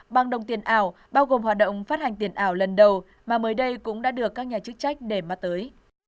bằng đồng tiền ảo bao gồm hoạt động phát hành tiền ảo lần đầu mà mới đây cũng đã được các nhà chức trách để mắt tới